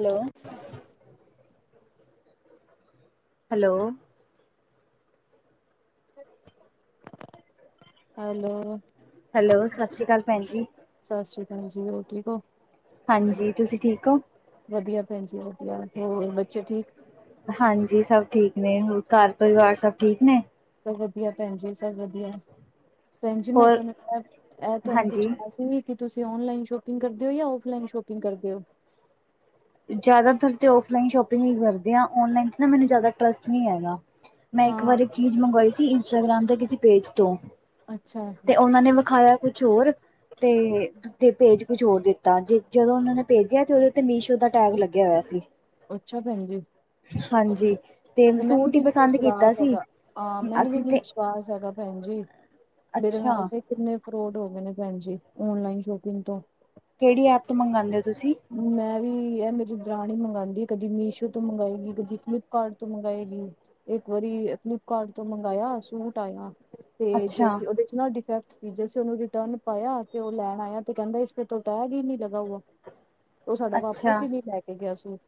Hello. Hello. Hello. Hello, ਸਤਿ ਸ਼੍ਰੀ ਅਕਾਲ ਭੈਣ ਜੀ। ਸਤਿ ਸ੍ਰੀ ਅਕਾਲ ਜੀ, ਹੋਰ ਠੀਕ ਹੋ? ਹਾਂਜੀ, ਤੁਸੀਂ ਠੀਕ ਹੋ? ਵਧੀਆ ਭੈਣ ਜੀ ਵਧੀਆ, ਹੋਰ ਬੱਚੇ ਠੀਕ। ਹਾਂਜੀ, ਸਭ ਠੀਕ ਨੇ ਹੋਰ ਘਰ ਪਰਿਵਾਰ ਸਭ ਠੀਕ ਨੇ। ਸਭ ਵਧੀਆ ਭੈਣ ਜੀ ਸਭ ਵਧੀਆ, ਭੈਣ ਜੀ ਮੈਂ ਹੋਰ ਤੁਹਾਨੂੰ ਇਹ ਤੁਹਾਨੂੰ ਪੁੱਛ ਹਾਂਜੀ। ਨਹੀਂ ਕਿ ਤੁਸੀਂ ਔਨਲਾਈਨ ਸ਼ੋਪਿੰਗ ਕਰਦੇ ਹੋ ਜਾਂ ਔਫਲਾਈਨ ਸ਼ੋਪਿੰਗ ਕਰਦੇ ਹੋ। ਜ਼ਿਆਦਾਤਰ ਤੇ ਔਫਲਾਈਨ ਸ਼ੋਪਿੰਗ ਹੀ ਕਰਦੇ ਆ ਓਨਲਾਈਨ ਚ ਨਾ ਮੈਨੂੰ ਜ਼ਿਆਦਾ ਇਨਟਰਸਟ ਨਹੀਂ ਹੈਗਾ। ਮੈਂ ਇੱਕ ਹਾਂ ਵਾਰ ਇੱਕ ਚੀਜ਼ ਮੰਗਵਾਈ ਸੀ ਇੰਸਟਾਗ੍ਰਾਮ ਦੇ ਕਿਸੇ ਪੇਜ ਤੋਂ ਅੱਛਾ ਤੇ ਉਹਨਾਂ ਨੇ ਵਿਖਾਇਆ ਕੁਛ ਹੋਰ ਤੇ ਤੇ ਪੇਜ ਕੁਛ ਹੋਰ ਦਿੱਤਾ ਜੇ ਜਦੋਂ ਉਹ ਨੇ ਭੇਜਿਆ ਤੇ, ਉਹਦੇ ਉਤੇ ਮੀਸ਼ੋ ਦਾ ਟੈਗ ਲੱਗਿਆ ਹੋਇਆ ਸੀ। ਅੱਛਾ ਭੈਣ ਜੀ। ਹਾਂਜੀ, ਤੇ ਮੈਨੂੰ ਸੂਟ ਹੀ ਵੀ ਪਸੰਦ ਵਿਸ਼ਵਾਸ ਕੀਤਾ ਸੀ, ਹੈਗਾ, ਹਾਂ ਮੈਨੂੰ ਵੀ ਅਸੀਂ ਨੀ ਤੇ ਵਿਸ਼ਵਾਸ ਹੈਗਾ। ਭੈਣ ਜੀ ਮੇਰੇ ਅੱਛਾ। ਨਾਲ ਤੇ ਕਿੰਨੇ ਫਰੋਡ ਹੋ ਗਏ ਨੇ ਭੈਣ ਜੀ ਔਨਲਾਈਨ ਸ਼ੋਪਿੰਗ ਤੋਂ ਕਿਹੜੀ ਐਪ ਤੋਂ ਮੰਗਵਾਉਂਦੇ ਹੋ ਤੁਸੀਂ। ਮੈਂ ਵੀ ਇਹ ਮੇਰੀ ਦਰਾਨੀ ਹੀ ਮੰਗਵਾਉਂਦੀ ਕਦੀ ਮੀਸ਼ੋ ਤੋਂ ਮੰਗਵਾਏਗੀਈ ਕਦੀ ਫਲਿਪਕਾਰਟ ਤੋਂ ਮੰਗਵਾਏਗੀ। ਇੱਕ ਵਾਰੀ ਫਲਿਪਕਾਰਟ ਤੋਂ ਮੰਗਵਾਇਆ ਸੂਟ ਆਇਆ ਤੇ ਅੱਛਾ, ਜੇਸੀ ਉਹਦੇ ਵਿਚ ਡਿਫੈਕਟ ਪੀਸ ਸੀ ਉਹਨੂੰ ਰਿਟਰਨ ਪਾਇਆ ਤੇ ਉਹ ਲੈਣ ਆਇਆ ਤੇ ਕਹਿੰਦਾ ਇਸ ਪੇ ਤੋ ਟੈਗ ਹੀ ਨੀ ਲਗਾ ਹੁਆ ਉਹ ਸਾਡਾ ਵਾਪਸ ਅੱਛਾ ਹੀ ਨਹੀਂ ਲੈ ਕੇ ਗਿਆ ਸੁਟ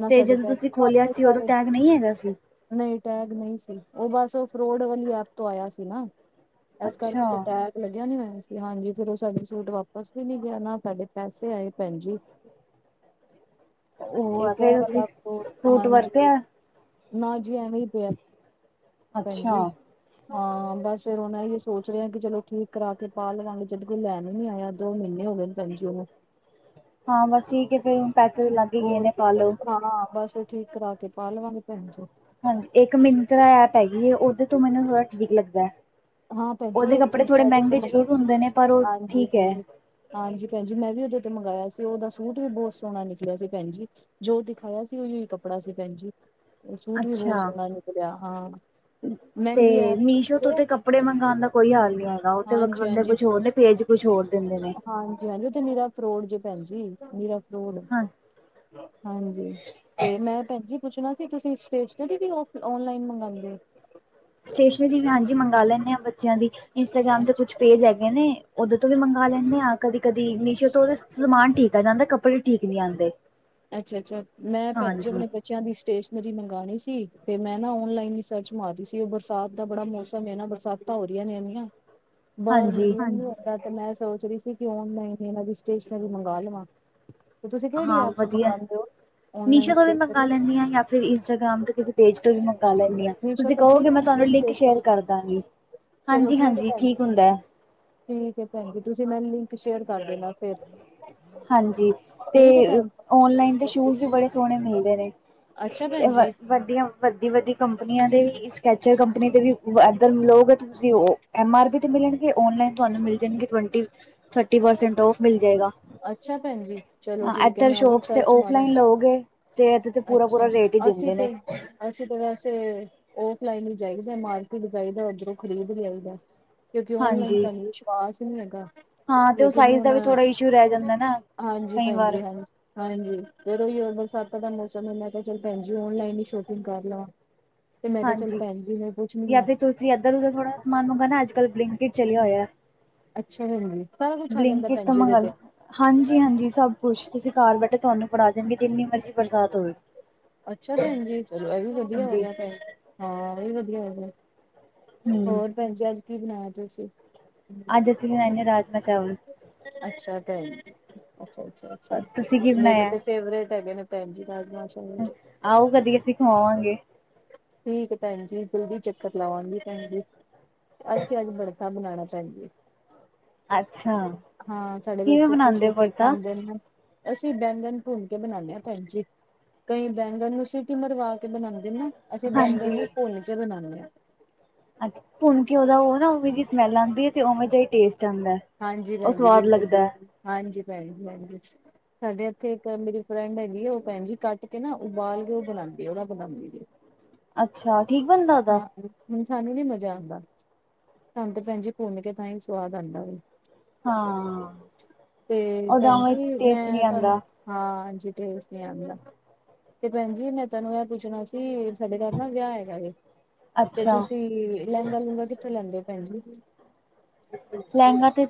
ਨਾ ਤੇ ਸਾਡੇ ਜਦੋਂ ਤੁਸੀਂ ਪੈਸੇ ਖੋਲਿਆ ਵਾਪਸ ਸੀ ਉਦੋਂ ਸਾਰੇ ਟੈਗ ਨਹੀਂ ਹੈਗਾ ਸੀ? ਨਹੀਂ ਟੈਗ ਨਹੀਂ ਸੀ ਉਹ ਬਸ ਉਹ ਫਰੋਡ ਵਾਲੀ ਐਪ ਤੋਂ ਆਇਆ ਸੀ ਨਾ ਇਸ ਕਰਕੇ ਅੱਛਾ, ਤੇ ਟੈਗ ਲੱਗਿਆ ਨੀ ਹੋਇਆ ਸੀ ਹਾਂਜੀ ਫੇਿਰ ਉਹ ਸਾਡੇ ਸੂਟ ਵਾਪਸ ਵੀ ਨਹੀਂਗਿਆ ਨਾ ਸਾਡੇ ਕੇਸੈ ਆਏ ਭੈਣ ਜੀ। ਉਹ ਆ ਪੇਕਿਆ ਫੇਰ ਤੁਸੀਂ ਵਾਲਾ ਕੋਟ ਸੂਟ ਹਾਂਜੀ ਵਰਤਿਆ? ਨਾ ਜੀ ਐਵੇਂ ਹੀ ਪਿਆ। ਅੱਛਾ, ਭੈਜੀ। ਹਾਂ ਬਸ ਫੇਿਰ ਇਹੋ ਸੋਚ ਰਿਹਾ ਕਿ ਚਲੋ ਠੀਕ ਕਰਾ ਕੇ ਪਾ ਲਵਾਂਗੇ ਜਦ ਕੋਈ ਲੈਣ ਨੀ ਆਇਆ। ਦੋ ਮਹੀਨੇ ਹੋ ਗਏ ਨੇ ਭੈਜੀ ਉਹਨੂੰ ਹਾਂ ਬਸ ਠੀਕ ਹੈ ਫਿਰ ਰੁਣ ਪੈਸੇ ਵੀ ਲਗ ਹੋਰ ਹਾਂ ਬਸ ਉਹ ਠੀਕ ਕਰਾਨਾ ਬਸ ਠੀਕ ਕਰਾ ਕੇ ਪਾ ਲਵਾਂਗੇ ਭੈਣ ਜੀ। ਹਾਂਜੀ ਇੱਕ ਮਿੰਤਰਾ ਐਪ ਹੈਗੀ ਹੈ ਉਹਦੇ ਤੋਂ ਮੈਨੂੰ ਥੋੜ੍ਹਾ ਠੀਕ ਲੱਗਦਾ ਹੈ। ਹਾਂ ਭੈਣ ਜੀ ਉਹਦੇ ਇੱਕ ਕੱਪੜੇ ਚੀਜ਼ ਥੋੜੇ ਮੈਂ ਉਹਦੇ ਤੋਂ ਮਹਿੰਗੇ ਮੰਗਾ ਜ਼ਰੂਰ ਹੁੰਦੇ ਨੇ ਪਰ ਉਹ ਹਾਂਜੀ ਠੀਕ ਹੈ। ਹਾਂਜੀ ਹਾਂਜੀ ਭੈਣਜੀ ਮੈਂ ਵੀ ਉਹਦੇ ਤੇ ਮੰਗਵਾਆ ਸੀ ਉਹਦਾ ਸੂਟ ਵੀ ਬਹੁਤ ਸੋਹਣਾ ਨਿਕਲਿਆ ਸੀ ਭੈਣ ਜੀ। ਜੋ ਦਿਖਾਇਆ ਸੀ ਉਹੀ ਕੱਪੜਾ ਸੀ ਭੈਣ ਜੀ। ਉਹ ਸੂਟ ਵੀ ਬਹੁਤ ਅੱਛਾ, ਸੋਹਣਾ ਨਿਕਲਿਆ ਹਾਂ ਤੇ ਮਹਿੰਗੀ ਐਪ ਮੀਸ਼ੋ ਤੋਂ ਤੇ ਕੱਪੜੇ ਮੰਗਉਣ ਦਾ ਕੋਈ ਹਾਲ ਨੀ ਹੈਗਾ ਉਹ ਤੇ ਵਿਖਾਉਂਦੇ ਹਾਂਜੀ ਕੁਛ ਹੋਰ ਨੇ ਪੇਜ ਕੁਛ ਹੋਰ ਦਿੰਦੇ ਨੇ ਹਾਂਜੀ, ਹਾਂਜੀ ਉਥੇ ਨੀਰਾ ਫਰੋਡ ਜੇ ਭੈਣ ਜੀ ਨੀਰਾ ਫਰੋਡ ਹਾਂ ਹਾਂਜੀ ਤੇ ਮੈਂ ਭੈਣਜੀ। ਪੁੱਛਣਾ ਸੀ ਤੁਸੀਂ ਸਟੇਸ਼ਨਰੀ ਵੀ ਔਨਲਾਈਨ ਮੰਗਵਾਉਂਦੇ ਹੋ ਸਟੇਸ਼ਨਰੀ ਵੀ ਹਾਂਜੀ ਮੰਗ ਲੈਂਦੇ ਹਾਂ ਬੱਚਿਆਂ ਦੀ ਇੰਸਟਾਗ੍ਰਾਮ ਤੇ ਕੁਛ ਅੱਛਾ ਪੇਜ ਹੈਗੇ ਨੇ ਉਹਦੇ ਤੋਂ ਵੀ ਮੰਗਵਾ ਲੈਂਦੇ ਆਾਂ ਕਦੀ ਕਦੇ ਨੀਸੋ ਤੋਂ ਉਹਦੇ ਸਮਾਨ ਠੀਕ ਆ ਜਾਂਦਾ ਕੱਪੜੇ ਠੀਕ ਨਹੀਂ ਆਉਂਦੇ। ਅੱਛਾ ਅੱਛਾ ਮੈਂ ਭੈਣ ਜੀ ਹਾਂਜੀ ਆਪਣੇ ਬੱਚਿਆਂ ਦੀ ਸਟੇਸ਼ਨਰੀ ਮੰਗਉਣੀ ਸੀ ਤੇ ਮੈਂ ਨਾ ਔਨਲਾਈਨ ਹੀ ਸਰਚ ਮਾਰਹੀ ਸੀ ਉਹ ਬਰਸਾਤ ਦਾ ਬੜਾ ਮੌਸਮ ਹੈ ਨਾ ਬਰਸਾਤ ਹੋ ਰਹੀਆਂ ਮੇਰੀਆ ਬਾਹਰ ਹਾਂਜੀ ਨਿਕਲ ਨਹੀਂ ਹੁੰਦਾ ਤੇ ਮੈਂ ਸੋਚ ਰਹੀ ਸੀ ਕਿ ਓਨਲਾਈਨ ਇਹਨਾਂ ਦੀ ਸਟੇਸ਼ਨਰੀ ਮੰਗਵਾ ਲਵਾਂ। ਤੇ ਤੁਸੀਂ ਕਿਹੜੀ ਆ ਵਧੀ ਮੀਸ਼ੋ ਤੋਂ ਵੀ ਮੰਗਵਾ ਲੈਂਦੀ ਹਾਂ ਜਾਂ ਫਿਰ ਇੰਸਟਾਗ੍ਰਾਮ ਤੋਂ ਕਿਸੇ ਪੇਜ ਤੋਂ ਵੀ ਮੰ ਕਰ ਲੈਂਦੀ ਹਾਂ ਮੀਸ਼ੋ ਤੁਸੀਂ ਤੋਂ ਕਹੋਗੇ ਠੀਕ ਆ ਮੈਂ ਤੁਹਾਨੂੰ ਲਿੰਕ ਸ਼ੇਅਰ ਸਟੇਸ਼ਨਰੀ ਕਰ ਦਾਂਗੀ ਚਲੋ ਹਾਂਜੀ- ਹੈ ਹਾਂਜੀ ਭੈਣ ਜੀ ਠੀਕ ਹੁੰਦਾ ਹੈ। ਠੀਕ ਭੈਣ ਜੀ ਤੁਸੀਂ ਮੈਨੂੰ ਲਿੰਕ ਸ਼ੇਅਰ ਕਰ ਦੇਣਾ ਫਿਰ ਹਾਂਜੀ ਤੇ ਠੀਕ ਹੈ ਭੈਣ ਓਨਲਾਈਨ ਤੇ ਜੀ ਸ਼ੂਜ ਵੀ ਬੜੇ ਸੋਹਣੇ ਮਿਲਦੇ ਨੇ। ਅੱਛਾ ਤੇ ਭੈਣ ਜੀ, ਵਧੀਆ ਵੱਡੀ ਵੱਡੀ ਕੰਪਨੀਆਂ ਦੇ ਸਕੈਚਰ ਕੰਪਨੀ ਦੇ ਵੀ ਇਧਰ ਲੋਕ ਤੁਸੀਂ ਉਹ [unintelligible] ਐਮ ਆਰ ਦੇ ਵੀ ਮਿਲਨ ਗੇ ਔਨ ਲਾਇਨ ਤੁਹਾਨੂੰ ਮਿਲ ਜਾਨ ਗੇ ਟਵਨਟੀ ਥਟੀ ਪਰਸੈਨਟ ਔਫ ਮਿਲ ਜਾਏ ਗਾ ਅੱਛਾ ਭੈਣ ਜੀ ਚਲੋ ਠੀਕ ਹੈ ਮੈਂ ਉਹ ਵੀ ਸਰਚ ਮਾਰਾਂ ਹੋ ਗਏ ਅੱਛਾ, ਅਸੀਂ ਪ ਅਸੀਂ ਤਾਂ ਵੈਸੇ, ਔਫ ਫਲਾਈਨ ਹੀ ਜਾਈਦਾ, ਮਾਰਕੀਟ ਜਾਈਦਾ, ਉੱਧਰੋਂ ਖਰੀਦ ਲਿਆਈ ਦਾ। ਕਿਉਂਕਿ, ਔਨਲਾਈਨ ਹਾਂਜੀ ਸਾਨੂੰ ਵਿਸ਼ਵਾਸ ਨਹੀਂ ਹੈਗਾ। ਹਾਂ ਤੇ ਉਹ ਲੇਕਿਨ ਸਾਈਜ਼ ਹੁਣ, ਦਾ ਵੀ ਥੋੜਾ ਇਸ਼ੂ ਰਹਿ ਜਾਂਦਾ ਨਾ ਹਾਂਜੀ ਕਈ ਵਾਰ ਭੈਣਜੀ, ਹਾਂਜੀ। ਹਾਂਜੀ ਫਿਰ, ਬਰਸਾਤਾਂ ਦਾ ਮੌਸਮ ਏ ਮੈਂ ਕਿਹਾ ਚੱਲ ਭੈਣ ਜੀ ਓਨਲਾਈਨ, ਹੀ ਸ਼ੋਪਿੰਗ ਕਰ ਲਵਾਂ। ਤੇ ਮੈਂ ਕਿਹਾ ਚੱਲ ਹਾਂਜੀ, ਭੈਣ ਜੀ ਨੂੰ ਪੁੱਛਣੀ ਜਾਂ ਆ। ਫਿਰ ਤੁਸੀਂ ਇਧਰ -ਉਧਰ ਥੋੜਾ ਸਮਾਨ ਮੰਗਾਨਾ, ਅੱਜ ਕੱਲ ਬਿੰਕਟ ਚਲਿਆ ਹੋਇਆ। ਅੱਛਾ, ਜੀ ਸਾਰਾ ਕੁੱਛ ਆ ਜਾਂਦਾ ਬਲਿੰਕਟ ਭੈਣ ਤੋਂ ਜੀ ਏਦੇ ਮੰਗਾ ਤੇ ਲੋ ਹਾਂਜੀ -ਹਾਂਜੀ ਸਭ ਕੁਛ ਤੁਸੀਂ ਘਰ ਬੈਠੇ ਤੁਹਾਨੂਫ ੜ੍ਹਾ ਦੇਣਗੇ ਜਿੰਨੀ ਮਰਜ਼ੀ ਬਰਸਾਤ ਹੋਵੇ ਅੱਛਾ ਭੈਣ ਜੀ, ਚਲੋ ਇਹ ਵੀ ਹਾਂਜੀ ਭੈਣ ਹਾਂ ਇਹ ਵੀ ਵਧੀਆ ਹੋਗਿਆ। ਹੂੰ, ਹੋਰ, ਭੈਣ ਜੀ ਅੱਜ ਕੀ, ਬਣਾਇਆ ਤੁਸੀ? ਅੱਜ, ਅਸੀਂ ਰਾਜਮਾ ਚਾਵਲ ਅੱਛਾ- ਅੱਛਾ -ਅੱਛਾ, ਅੱਛਾ ਤੁਸੀਂ ਕੀ ਮੇਰੇ ਬਣਾਇਆ? ਤੇ ਫੇਵਰੇਟ ਹੈਗੇ ਨੇ ਭੈਣਜੀ [unintelligible] [inaudible] ਆਓ ਕਦੀ, ਅਸੀਂ ਖਵਾਵਾਂਗੇ। ਠੀਕ ਹੈ ਭੈਣ ਜੀ, ਜਲਦੀ ਚੱਕਰ ਲਾਵਾਂਗੀ, ਭੈਣ ਜ ਅਸੀਂ ਅੱਜ ਬੜ ਬਣਾਉਣਾ ਪੈਣ ਜ [unintelligible] [inaudible] ਅੱਛਾ ਹਾਂ ਸਾਡੇ ਕਿਵੇਂ ਬੱਚੇ, ਖੁਸ਼ ਬਣਾਉਂਦੇ ਹੋ ਕੇ ਪੜਤਾ? ਖਾਂਦੇ ਨੇ, ਅਸੀਂ ਬੈਂਗਨ ਭੁੰਨ ਕੇ ਬਣਾਉਦੇ ਹਾਂ ਭੈਣ ਜੀ। ਕਈ ਬੈਂਗਰ ਨੂੰ, ਸਿਟੀ ਮਰਵਾ ਕੇ ਬਣਾਉਂਦੇ ਨਾ, ਅਸੀਂ ਬੈਂਗਰ ਹਾਂਜੀ। ਨੂੰ ਭੁੱਨ ਕੇ ਬਣਾਉਦੇ ਹਾਂ। ਅੱਛਾ ਭੁਣ ਕੇ, ਉਹਦਾ ਉਹ ਵੇ ਸਮੈਲ ਆਉਂਦੀ ਹੈ ਤੇ ਉਵੇਂ ਜਿ ਟੇਸਟ ਜਾਂਦਾ, ਉਹ ਸਵਾਦ ਲੱਗਦਾ। ਹਾਂਜੀ, ਭੈਣ ਜ ਭੈਣ ਜ ਸਾਡੇ ਇੱਥੇ, ਇੱਕ ਮੇਰੀ ਫਰੈਂਡ ਹੈਗੀ ਆ, ਉਹ ਭੈਣ ਜੀ ਕੱਟ ਕੇ, ਨਾ ਉਬਾਲ ਕੇ, ਉਹ ਬਣਾਉਂਦੀ। ਅੱਛਾ, ਠੀਕ ਬਣਦਾ ਉਹਦਾ ਹਾਂ ਹੁਣ ਸਾਨੂੰ ਨੀ ਮਜ਼ਾ ਆਉਂਦਾ, ਸਾਨੂੰ ਤੇ ਭੁਨ ਕੇ ਤਾਂ ਹੀ ਸਵਾਦ ਆਉਂਦਾ ਵ ਹਾਂ ਤੇ ਉਹਦਾ ਭੈਣ ਉਵੇਂ ਜੀ, ਟੇਸਟ ਨਹੀਂ ਮੈਂ ਤੁਹਾਨੂੰ ਆਉਂਦਾ। ਹਾਂ ਏ ਨਈ ਇੰਜ ਟੈਟਸ ਆਦਾ ਤੇ ਭੈਣ ਜੀ, ਮੈਂ ਤੈਨੂੰ ਇਹ ਪੁੱਛਣਾ ਸੀ, ਸਾਡੇ ਘਰ ਨਾ ਵਿਆਹ ਹੈਗਾ ਤੇ ਅੱਛਾ, ਤੁਸੀਂ, ਲਹਿੰਗਾ -ਲੂੰਗਾ ਕਿੱਥੋਂ ਲੈਂਦੇ ਹੋ ਭੈਣ ਜੀ? ਲਹਿੰਗਾ ਤੇ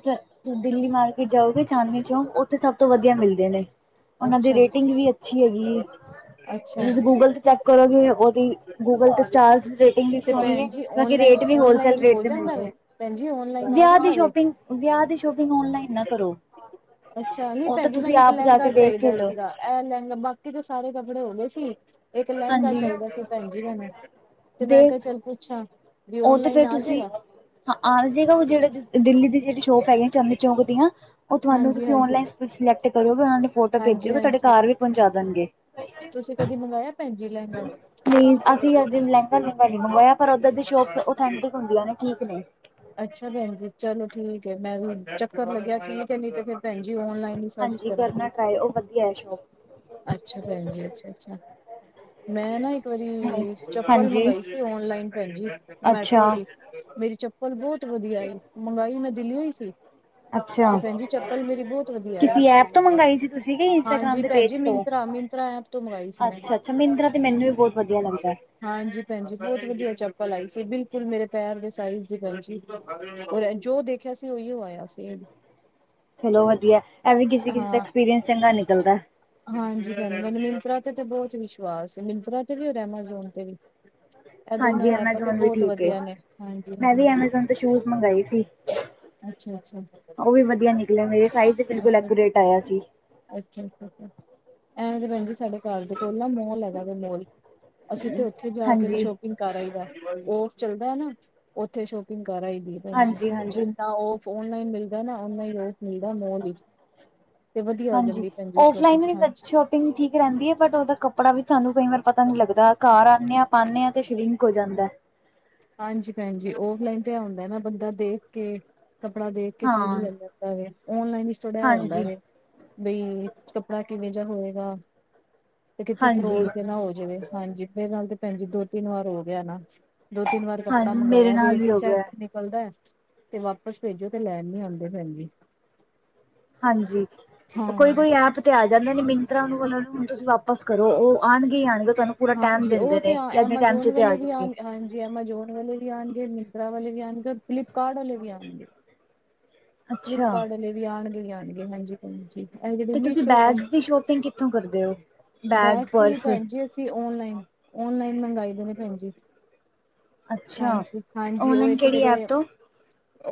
ਦਿੱਲੀ ਮਾਰਕੀਟ ਜਾਓਗੇ ਚਾਂਦਨੀ ਚੌਂਕ, ਉੱਥੇ ਸਭ ਤੋਂ ਵਧੀਆ ਮਿਲਦੇ ਨੇ। ਉਹਨਾਂ ਦੀ, ਅੱਛਾ ਰੇਟਿੰਗ ਵੀ ਅੱਛੀ ਹੈਗੀ ਏ। ਅੱਛਾ। ਗੂਗਲ ਤੇ ਚੈੱਕ ਕਰੋਗੇ, ਉਹਦੀ ਗੂਗਲ ਤੇ ਸਟਾਰਚ ਡੇ ਇਨੀ ਤੇ ਸੋਹਣੀ ਏ, ਭੈਣ ਜੀ ਕਿਉਂ ਕਿ, ਰੇਟ ਵੀ ਹੋਲਸੇਲ ਰੇਟ ਦੇ ਮਿਲਦੇ ਪੈਂਜੀ ਆਉਣ ਵਿਆਹ ਦੀ ਸ਼ੋਪਿੰਗ, ਵਿਆਹ ਦੀ ਸ਼ੋਪਿੰਗ ਔਨ ਲਾਈਨ ਨਾ ਕਰੋ। ਅੱਛਾ, ਨੀ ਉਹ ਤਾਂ ਭੈਣਜੀ ਤੁਸੀਂ ਮੈਨੂੰ, ਇੱਕ ਆਪ ਜਾ ਕੇ ਲੇਂਗਾ ਵੇਖ ਕੇ ਚਾਹੀਦਾ ਲਓ। ਸੀਗਾ। ਇਹ ਲਹਿੰਗਾ, ਬਾਕੀ ਤਾਂ ਸਾਰੇ ਕੱਪੜੇ ਹੋ ਗਏ ਸੀ, ਇੱਕ ਲਹਿੰਗਾ ਹਾਂਜੀ ਚਾਹੀਦਾ ਸੀ, ਭੈਣ ਜੀ ਮੈਨੂੰ। ਤੇ ਮੈਂ ਕਿਹਾ ਚੱਲ ਪੁੱਛਾਂ, ਵੀ ਉਹ ਔਨ ਤੇ ਲਾਈਨ ਫੇਰ ਆ ਤੁਸੀਂ ਜਾਏਗਾ? ਹਾਂ ਆ ਜਾਏਗਾ, ਦਿੱਲੀ ਦੀ ਜਿਹੜੀ ਸ਼ੋਪ ਹੈਗੀ ਚਾਂਦਨੀ ਚੌਕ, ਦੀਆਂ ਉਹ ਤੁਹਾਨੂੰ ਹਾਂਜੀ ਤੁਸੀਂ ਹਾਂਜੀ ਉਨਲਾਈਨ ਸਿਲੈਕਟ ਕਰੋਗੇ, ਉਹ ਫੋਟੋ ਹਾਂਜੀ ਭੇਜਓਗੇ, ਤੁਹਾਡੇ ਘਾਰ ਵੀ ਪਹੁੰਚਾ ਦੇਣਗੇ। ਤੁਸੀ ਕਦੀ ਮੰਗਵਾਆ, ਭੈਣ ਜੀ ਲਹਿੰਗਾ। ਨਹੀ ਅਸੀ ਅਜੇ, ਲਹਿੰਗਾ -ਲੁੰਗਾ ਨਹੀ ਮੰਗਵਾਇਆ, ਪਰ ਉਧਰ ਦੀ ਸ਼ੋਪ ਓਥੈਂਟਿਕ ਹੋਂਦੀਆ ਨੇ ਠੀਕ ਨੇ। ਅੱਛਾ ਭੈਣ ਜੀ, ਚਲੋ ਠੀਕ ਹੈ, ਮੈਂ ਵੀ ਚੱਕਰ ਲੱਗਿਆ ਠੀਕ ਏ, ਨਈ ਤੇ ਫਿਰ ਭੈਣ ਜੀ ਓਨਲਾਈਨ ਸਰਚ ਹਾਂਜੀ, ਕਰਨਾ ਕਰਾਂਗੀ ਟਰਾਏ ਉਹ ਵਧੀਆ ਏ। ਅੱਛਾ ਭੈਣ ਜੀ, ਅੱਛਾ-ਅੱਛਾ। ਮੈਂ ਨਾ, ਇੱਕ ਵਾਰੀ ਚੱਪਲ ਹਾਂਜੀ ਮੰਗਈ ਸੀ। ਆਨਲਾਈਨ, ਭੈਣਜੀ ਅੱਛਾ ਮੈਟਰੋ ਦੀ ਮੇਰੀ ਚੱਪਲ, ਬਹੁਤ ਵਧੀਆ ਈ, ਮਗਾਈ ਮੈਂ ਦਿੱਲੀਓ ਹੀ ਸੀ। ਤੇ ਅੱਛਾ ਭੈਣ ਜੀ, ਚੱਪਲ ਮੇਰੀ ਬਹੁਤ ਵਧੀਆ ਹੈ, ਕਿਸੀ ਐਪ ਤੋਂ ਮੰਗਾਈ ਸੀ ਤੁਸੀਂ ਕਿ ਇੰਸਟਾਗ੍ਰਾਮ ਹਾਂਜੀ ਦੇ ਭੈਣ ਜੀ ਪੇਜ ਤੋਂ ਮਿਨਤਰਾ ਮਿਨ ਮਿੰਤਰਾ ਐਪ ਤੋਂ, ਮੰਗਾਈ ਸੀ ਮੈਂ। ਅੱਛਾ ਅੱਛਾ ਮਿੰਤਰਾ ਤੇ ਮੈਨੂੰ ਵੀ ਬਹੁਤ ਵਧੀਆ ਲੱਗਦਾ ਹਾਂਜੀ ਭੈਣਜੀ, ਬਹੁਤ ਵਧੀਆ ਚੱਪਲ ਆਈ ਸੀ, ਬਿਲਕੁਲ ਮੇਰੇ ਪੈਰ ਦੇ ਸਾਈਜ ਦੀ। ਭੈਣ ਜੀ, ਜੋ ਦੇਖਿਆ ਸੀ ਉਹੀ ਆਇਆ ਸੀ। ਚਲੋ ਵਧੀਆ, ਇਹ ਵੀ ਕਿਸੇ ਕਿਸੇ ਦਾ ਹਾਂ ਐਕਸਪੀਰੀਅੰਸ ਚੰਗਾ ਨਿਕਲਦਾ। ਹਾਂਜੀ, ਮੈਨੂੰ ਮਯੰਤਰਾ ਤੇ ਤੇ ਬਹੁਤ ਵਿਸ਼ਵਾਸ ਐ, ਮਯੰਤਰਾ ਤੇ ਵੀ ਹੋਰ ਐਮਾਜੋਨ ਤੇ ਵੀ। ਇਹ ਹਾਂਜੀ ਦੋਨਾਂ ਦਾ ਐੱਪਾਂ, ਤੇ ਐਮਾਜ਼ੋਨ ਵੀ ਬਹੁਤ ਠੀਕ ਏ ਵਧੀਆ ਨੇ ਹਾਂਜੀ। ਮੈਂ ਵੀ ਹਾਂਜੀ ਐਮਾਜ਼ੋਨ ਤੋਂ ਸ਼ੂਜ ਮੰਗਵਾਏ ਸੀ, ਅੱਛਾ ਅੱਛਾ ਉਹ ਵੀ ਵਧੀਆ ਨਿਕਲੇ, ਮੇਰੇ ਸਾਈਜ ਦੇ ਬਿਲਕੁਲ ਐਕੂਰੇਟ ਆਇਆ ਸੀ। ਅੱਛਾ-ਅੱਛਾ, ਐਵੇ ਤੇ ਭੈਣ ਜੀ ਸਾਡੇ ਘਰ ਦੇ ਕੋਲ ਨਾ ਮੌਲ ਹੈਗਾ ਵੈ ਮੌਲ। ਅਸੀਂ ਤੇ ਉਥੇ ਜਾ ਕੇ ਵੀ ਹਾਂਜੀ ਸ਼ੋਪ ਕਰ ਆਈ ਦਾ, ਉਹ ਚੱਲਦਾ ਨਾ ਓਥੇ ਸ਼ੋਪਿੰਗ ਕਰ ਆਈ ਦੀ, ਭੈਣਜੀ, ਹਾਂਜੀ ਹਾਂਜੀ ਜੀ। ਨਾ ਓਹ ਆਨਲਾਈਨ ਮਿਲਦਾ, ਨਾ ਔਨਲਾਈਨ ਔਫ ਮਿਲਦਾ ਹੋਂਦਾ ਔ ਵੀ। ਤੇ ਵਧੀਆ ਹੋ ਜਾਂਦੀ, ਭੈਣਜੀ ਸ਼ੋਪਿੰਗ, ਹਾਂਜੀ। ਫੀਟਿੰਗ ਠੀਕ ਰਹਿੰਦੀ ਹੈ, ਬਟ ਉਹਦਾ ਕੱਪੜਾ ਵੀ ਸਾਨੂੰ ਕਈ ਵਾਰ ਪਤਾ ਨਹੀ ਲੱਗਦਾ, ਘਰ ਆਂਨੇ ਆ, ਪਾਂਨੇ ਆ, ਅਤੇ ਸ਼੍ਰਿੰਕ ਹੋ ਜਾਂਦਾ। ਹਾਂਜੀ ਭੈਣਜੀ, ਔਫਲਾਈਨ ਤੇ ਏ ਹੋਂਦਾ ਨਾ ਬੰਦਾ ਦੇਖ ਕੇ ਕੱਪੜਾ ਦੇਖ ਕੇ ਚੀਜ਼ ਹਾਂ ਲੈ ਲੈਂਦਾ ਵੈ, ਔਨਲਾਈਨ ਵਿੱਚ ਥੋੜਾ ਏਹ ਹੁੰਦਾ ਹਾਂਜੀ, ਵੈ ਬਈ, ਕੱਪੜਾ ਕਿਵੇਂ ਜਹਾ ਹੋਏਗਾ। ਤੇ ਕਿੱਥੇ ਹਾਂਜੀ, ਫਰੋਡ ਤੇ ਨਾ ਹੋ ਜਾਵੇ, ਹਾਂਜੀ ਮੇਰੇ ਨਾਲ ਤੇ ਭੈਣ ਜੀ, ਦੋ ਤਿੰਨ ਵਾਰ ਹੋ ਗਿਆ ਨਾ। ਦੋ ਤਿੰਨ ਵਾਰ ਹਾਂ ਕੱਪੜਾ ਮੇਰੇ ਮੰਗਾਇਆ ਵੈ, ਤੇ ਨਾਲ ਵੀ ਹੋ ਗਿਆ ਡੀਫੈਕਟ ਨਿਕ ਬਸ, ਤੇ ਵਾਪਿਸ ਭੇਜੋ ਤੇ ਲੈਣ ਨੀ ਆਦੇ, ਭੈਣਜੀ। ਹਾਂਜੀ, ਕੋਈ ਹਾਂ ਕੋਈ ਐਪ ਤੇ ਆ ਜਾਂਦੇ ਨੇ, ਮਯੰਤਰਾ ਵਾਲੇ ਨੂੰ ਹੁਣ ਤੁਸੀਂ ਵਾਪਸ ਕਰੋ, ਔ ਆਣਗੇ ਹੀ ਆਣਗੇ। ਤੁਹਾਨੂੰ ਪੂਰਾ ਟਾਈਮ ਹਾਂਜੀ, ਦਿੰਦੇ ਉਹ ਤੇ ਨੇ ਆ ਕਿ ਇੰਨੇ ਟਾਈਮ ਚ ਐਮਾਜੋਨ ਤੇ ਵਾਲੇ ਆ ਵੀ ਜਾਣਗੇ ਲੇਨ ਆਣ ਜੇ ਐਮਾਜੋਨ ਵਾਲੇ ਵੀ ਆਣਗੇ, ਮਯੰਤਰਾ ਵਾਲੇ ਵੀ ਆਣਗੇ, ਔਰ ਫਲਿਪਕਾਰਟ ਵਾਲੇ ਵੀ ਆਣਗੇ। ਅੱਛਾ ਫਲਿੱਪਕਾਰਟ ਵਾਲੇ ਵੀ ਆਉਣਗੇ ਹੀ ਆਣਗੇ, ਹਾਂਜੀ। ਐਂਜ ਦਿੰਦੀ ਤੇ ਤੁਸੀਂ ਮਿਸੋ ਕੰਮ, ਬੈਗਸ ਦੀ ਸ਼ੋਪਿੰਗ ਕਿੱਥੋਂ ਕਰਦੇ ਹੋ? ਬੈਗ, ਬੈਠ ਕੇ ਵੀ ਪਰਸ ਭੈਣ ਜੀ। ਅਸੀਂ ਓਨਲਾਈਨ, ਓਨਲਾਈਨ ਮੰਗਾਈ ਦੇ ਨੇ ਭੈਣ ਜੀ। ਅੱਛਾ ਹਾਂਜੀ, ਹਾਂਜੀ ਉਹ ਔਨਲਾਈਨ ਇੱਕ ਕਿਹੜੀ ਮੇਰੇ ਐਪ ਤੋਂ?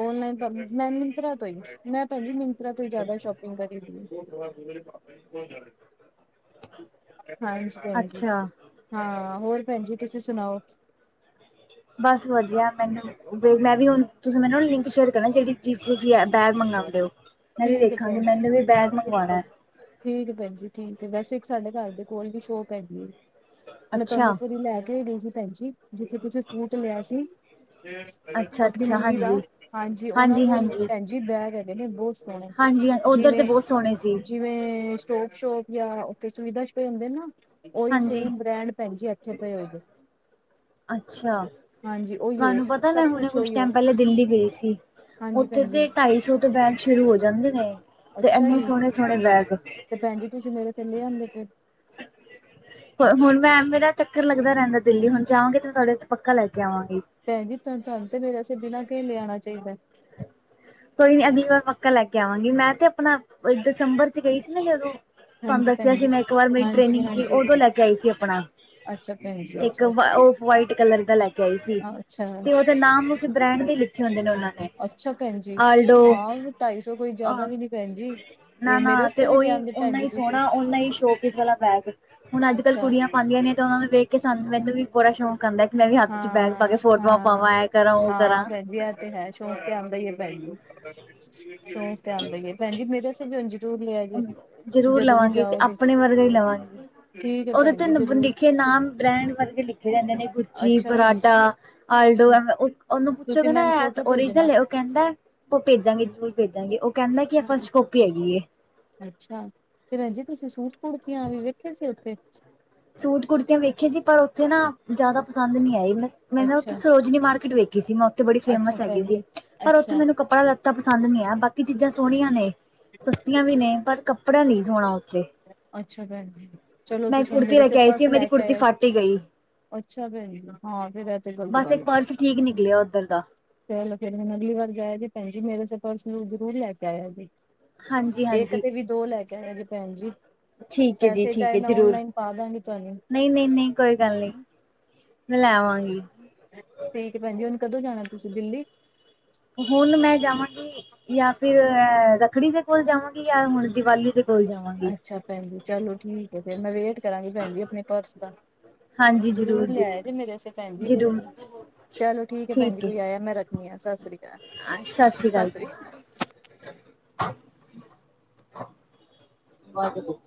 ਆਨਲਾਈਨ ਭਾਬੀ, ਮੈਂ ਮਯੰਤਰਾ ਤੋਂ ਹੀ, ਮੈਂ ਭੈਣਜੀ ਮਯੰਤਰਾ ਤੋਂ ਹੀ ਜਿਆਦਾ ਸੋਪਿੰਗ ਕਰ [unintelligible] ਹਾਂਜੀ, ਹਾਂਜੀ, ਅੱਛਾ ਹਾਂ ਹੋਰ ਭੈਣ ਜੀ ਤੁਸੀਂ ਸੁਣਾਓ। ਬਸ ਵਧੀਆ, ਮੈਨੂੰ ਮੈਂ ਵੀ ਹੁਣ, ਤੁਸੀਂ ਮੈਨ ਲਿੰਕ ਸ਼ੇਅਰ ਕਰਨਾ ਜਿਹੜੀ ਜਿਸ ਤੁਸੀਂ ਬੈਗ ਮੰਗਾਨਦੇ ਹੋ, ਮੈਂ ਵੀ ਠੀਕ ਹੈ ਵੇਖਾਂਗੀ, ਭੈਣ ਮੈਨੂੰ ਵੀ ਬੈਗ ਜੀ ਠੀਕ ਮੰਗਵਾਨਾ ਹੈ ਏ। ਠੀਕ ਹੈ ਭੈਣ ਜੀ, ਠੀਕ ਹੈ, ਵੈਸੇ ਇੱਕ ਸਾਡੇ ਘਰ ਦੇ ਕੋਲ ਵੀ ਸੋ਼ਪ ਹੈਗੀ ਹੈ। ਮੈਂ ਤੁਹਾਨੂੰ ਅੱਛਾ ਇਕ ਵਾਰੀ ਲੈ ਕੇ ਵੀ ਗਈ ਸੀ, ਭੈਣ ਜੀ ਜਿੱਥੇ ਤੁਸੀਂ ਸੂਟ ਲਿਆ ਸੀ। ਆਪਣੀ ਅੱਛਾ-ਅੱਛਾ, ਮੰਮੀ ਦਾ, ਹਾਂਜੀ। ਹਾਂਜੀ, ਉਹਨਾਂ ਕੋਲ ਵੀ ਹਾਂਜੀ-ਹਾਂਜੀ, ਭੈਣਜੀ ਬੈਗ ਹੈਗੇ ਨੇ, ਬਹੁਤ ਹਾਂਜੀ ਹਾਂਜੀ ਉੱਧਰ ਤੇ ਬਹੁਤ ਸੋਹਣੇ ਸੀ, ਜਿਵੇਂ-ਜਿਵੇ। ਜਿਵੇ ਸਟੋਪ ਸ਼ੋਪ, ਜਾਂ ਉੱਥੇ ਸੁਵਿਧਾ ਹੁੰਦੇ ਨਾ, ਉਹੀ ਹਾਂਜੀ। ਸੇਮ ਬ੍ਰੈਂਡ ਭੈਣਜੀ ਐਥੇ ਐਥੇ ਪਏ ਹੋਏ ਦੇ। ਅੱਛਾ, ਹਾਂਜੀ ਉਹੀਓ ਤੁਆਨੂੰ ਪਤਾ ਮੈਂ ਸਭ ਹੁਣੇ ਕੁਛ ਉਹੀਓ ਟੈਮ ਪਹਿਲੇ ਮੈਂ ਦਿੱਲੀ ਗਈ ਸੀ। ਹਾਂਜੀ ਉੱਥੇ ਭੈਣ ਜੀ ਤੇ ਢਾਈ ਸੌ ਤੋਂ ਬੈਗ ਸ਼ੁਰੂ ਹੋ ਜਾਂਦੇ ਨੇ ਤੇ ਅੱਛਾ ਐਨੇ ਜੀ ਸੋਹਣੇ-ਸੋਹਣੇ ਬੈਗ ਤੇ ਭੈਣਜੀ ਤੁਸੀਂ ਮੇਰੇ [unintelligible] [unintelligible] ਹੁਣ ਮੈਂ ਮੇਰਾ ਚੱਕਰ ਲੱਗਦਾ ਰਹਿੰਦਾ ਦਿੱਲੀ ਹੁਣ ਜਾਵਾਂਗੇ ਤੇ ਮੈਂ ਤੁਹਾਡੇ ਵਾਸਤੇ ਪੱਕਾ ਲੈ ਕੇ ਆਵਾਂਗੀ ਭੈਣ ਜੀ ਤੁਹਾਨੂੰ ਤੇ ਮੇਰੇ ਵਾਸਤੇ ਬਿਨਾ ਕੇ ਲਿਆਉਣਾ ਚਾਹੀਦਾ ਕੋਈ ਨੀ ਅਗਲੀ ਵਾਰ ਪੱਕਾ ਲੈ ਕੇ ਆਵਾਂਗੀ। ਮੈਂ ਤੇ ਆਪਣਾ ਦਿਸੰਬਰ ਚ ਗਈ ਸੀ ਨਾ ਜਦੋਂ ਤੁਹਾਨੂੰ ਹਾਂਜੀ ਦੱਸਿਆ ਭੈਣ ਸੀ ਜੀ ਮੈਂ ਇੱਕ ਵਾਰ ਮੇਰੀ ਹਾਂਜੀ ਟ੍ਰੇਨਿੰਗ ਸੀ ਉਦੋਂ ਹਾਂਜੀ ਲੈ ਕੇ ਆਈ ਸੀ ਆਪਣਾ ਅੱਛਾ ਭੈਣ ਜੀ ਇੱਕ ਅੱਛਾ ਅੱਛਾ ਉਫ ਵਾਈਟ ਕਲਰ ਦਾ ਲੈ ਕੇ ਆਈ ਸੀ ਅੱਛਾ ਤੇ ਉਹਦਾ ਨਾਮ ਉਸ ਬ੍ਰੈਂਡ ਦੇ ਲਿਖ ਛੋਲੇ ਲੋਨਾਲੇ ਅੱਛਾ ਭੈਣ ਜੀ ਹਾਂ ਉਨੂੰ ਢਾਈ ਸੌ ਕੋਈ ਜਾਦਾ ਅ ਵੀ ਨੀ ਭੈਣ ਜੀ ਨਾ ਨਾ ਮੇਰੇ ਤੇ ਵਾਸਤੇ ਵੀ ਓਈ ਲਿਆਂਦੇ ਭੈਣ ਓਨਾ ਜੀ ਈ ਤੁਸੀਂ ਸੋਣਾ ਓਨਾ ਈ ਸ਼ੋਪੀਸ ਵਾਲਾ ਬੈਗ ਹੁਨ ਅੱਜ-ਕੱਲ ਅੱਛਾ ਕੁੜੀਆਂ ਪਾਦੀਆਂ ਈ ਨੇ ਤੇ ਓਨਾਂ ਨੂੰ ਵੇਖ ਕੀ ਸਾਨੂੰ ਮੈਂਨੂੰ ਵੀ ਬੜਾ ਸ਼ੌਕ ਆਦਾ, ਕੀ ਮੈਂ ਵੀ ਹੱਥ ਚ ਬੈਗ ਪਾ ਹਾਂ ਕੇ ਫੋਟੋਆਂ ਹਾਂ ਪਾਵਾਂ, ਇਹ ਕਰਾਂ ਉਹ ਕਰਾਂ। ਹਾਂ ਭੈਣ ਜੀ ਐ ਤੇ ਹੈ, ਸ਼ੋਕ ਤੇ ਆਦਾ ਹੀ ਹੈ ਭੈਣ ਜੀ, ਸ਼ੋਕ ਤੇ ਆਦਾ ਹੀ ਏ, ਭੈਣਜੀ ਮੇਰੇ ਜ਼ਰੂਰ ਲਿਆ ਜੇ ਜ਼ਰੂਰ ਜਦੋਂ ਵੀ ਲਵਾਂਹੀ, ਤੇ ਜਾਓਗੇ ਆਪਣੇ ਵਰਗਾ ਹੀ ਲਵਾਂਗੀ। ਠੀਕ ਹੈ ਉਹਦੇ ਭੈਣ ਤੇ ਜੀ ਜ਼ਰੂਰ ਲਿਖੇ ਨਾਮ, ਬ੍ਰੈਂਡ ਵਰਗੇ ਲਿਖੇ ਜਾਂਦੇ ਨੇ। ਗੁਛੀ, ਅੱਛਾ ਭੈਣ ਪਰਾਂਡਾ, ਜੀ ਆਲਡੋ, ਅੱਛਾ ਐਵੇ ਉਹਨੂੰ ਤੁਸੀਂ ਪੁੱਛੋਗੇ ਨਾ ਮੈਨੂੰ ਏ ਫੋਟੋ ਭੇਜਣਾ ਓਰੀਜਨਲ ਏ। ਕਹਿੰਦਾ, ਉਹ ਭੇਜਾਂਗੀ ਜਰੂਰ ਭੇਜਾਂਗੀ, ਉਹ ਕਹਿੰਦਾ ਕਿ ਇਹ ਹਾਂ ਫਸਟ ਕੋਪੀ ਹੈਗੀ ਏ। ਅੱਛਾ, ਤੇ ਭੈਨਜੀ ਤੁਸੀਂ ਸੂਟ ਕੁੜਤਿਆਂ ਵੀ ਵੇਖੇ ਸੀ ਉੱਥੇ। ਸੂਟ ਕੁੜਤਿਆਂ ਵੇਖੀਆਂ ਸੀ, ਪਰ ਉੱਥੇ ਨਾ ਜ਼ਿਆਦਾ ਪਸੰਦ ਨਹੀਂ ਆਈ ਮੈਂ ਨਾ ਔਥੇ ਅੱਛਾ ਸੋ ਮਾਰਕੀਟ ਵੇਖੀ ਸੀ, ਮੈਂ ਉਥੇ ਬੜੀ ਅੱਛਾ ਫੇਮਸ ਹੈਗੀ ਭੈਣ ਸੀ ਜੀ ਪਰ ਉੱਥੇ ਅੱਛਾ ਮੈਨੂੰ ਕੱਪੜਾ ਤਾਂ ਪਸੰਦ ਨਹੀ ਆਇਆ, ਬਾਕੀ ਚੀਜ਼ਾਂ ਸੋਹਣੀਆਂ ਨੇ, ਸਸਤਿਆਂ ਵੀ ਨੇ, ਪਰ ਕੱਪੜਾ ਨਹੀਂ ਸੋਹਣਾ ਉੱਥੇ। ਅੱਛਾ ਭੈਣਜੀ, ਚਲੋ ਮੈਂ ਤੁਸੀਂ ਕੁੜਤੀ ਮੇਰੇ ਲੈ ਆਸੇ ਕੇ ਆਈ ਸੀ ਪਰਸ ਲੈ ਮੇਰੀ ਕੇ ਕੁੜਤੀ ਆਯਾ ਜੇ। ਫੱਟ ਹੀ ਗਈ ਅੱਛਾ [unintelligible] ਬਸ ਇੱਕ ਪਰਸ ਠੀਕ ਨਿਕਲਿਆ ਉੱਧਰ ਦਾ ਚਲੋ ਫੇਰ ਮੈਨੂੰ ਅਗਲੀ ਵਾਰ ਜਾਇਆ ਜੀ ਭੈਣਜੀ ਮੇਰੇ ਵਾਸਤੇ ਪਰਸ ਜ਼ਰੂਰ ਲੈ ਕੇ ਆਇਆ ਜੇ ਇੱਕ ਹਾਂਜੀ-ਹਾਂਜੀ ਤੇ ਵੀ ਦੋ ਲੈ ਕੇ ਆਇਆ ਜੇ ਭੈਣ ਜੀ। ਠੀਕ ਹੈ ਪੈਸੇ ਚਾਹੇ ਮੈਂ ਔਨਲਾਈਨ ਪਾ ਦਾਂਗੀ ਤੁਹਾਨੂੰ ਨਈ, ਨਈ, ਨਈਕੋਈ ਗੱਲ ਨੀ ਮੈਂ ਲੈ ਆਵਾਂਗੀ। ਠੀਕ ਹੈ ਭੈਣ ਜੀ ਹੁਣ ਕਦੋਂ ਜਾਣਾ ਤੁਸੀਂ ਦਿੱਲੀ ਹੁਣ ਮੈਂ ਜਾਵਾਂਗੀ ਜਾਂ ਫਿਰ ਰੱਖੜੀ ਦੇ ਕੋਲ ਜਾਵਾਂਗੀ ਜਾਂ ਹੁਣ ਦੀਵਾਲੀ ਤੇ ਬੋਲ ਜਾ ਅੱਛਾ ਭੈਣ ਜੀ ਚਲੋ ਠੀਕ ਹੈ ਫੇਰ ਮੈਂ ਵੇਟ ਕਰਾਂਗੀ ਭੈਣ ਜੀ ਆਪਣੇ ਪਰਸ ਦਾ ਜ਼ਰੂਰ ਲਿਆਏ ਜੀ ਮੇਰੇ ਅਸੇ ਭੈਣ ਜੀ ਜ਼ਰੂਰ ਚਲੋ ਠੀਕ ਏ ਭੈਣ ਜੀ ਕੋਈ ਆਇਆ ਮੈਂ ਰਖ ਮਿਆ ਸਸ੍ਰੀ ਕਾਲ। ਹਾਂਜੀ ਸਤਿ ਸ੍ਰੀ ਅਕਾਲ ਜੀ। ਭੱਜਲੋ।